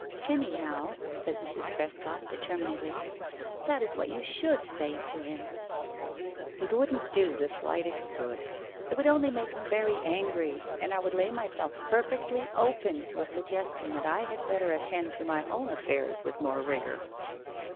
"Anyhow," said Mrs. Trescott, determinedly, "that is what you should say to him." "It wouldn't do the slightest good. It would only make him very angry, and I would lay myself perfectly open to a suggestion that I had better attend to my own affairs with more rigor."